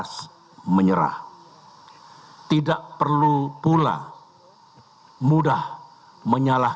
saya ingin berterima kasih